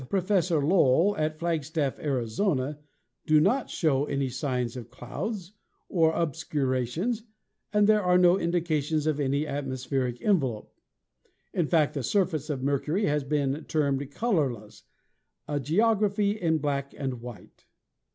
Professor Lowell at Flag staff, Arizona, do not show any signs of clouds or obscu rations, and there are no indications of any atmospheric envelope. In fact, the surface of Mercury has been termed colorless, "a geography in black and white."